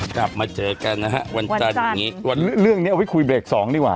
กลับมาเจอกันนะฮะวันจันทร์อย่างนี้เรื่องนี้เอาไว้คุยเบรกสองดีกว่า